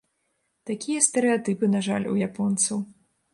Такія стэрэатыпы, на жаль, у японцаў.